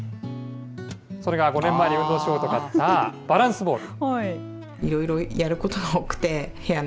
それが５年前に運動しようと買ったバランスボール。